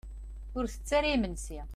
Ur ttett ara imensi.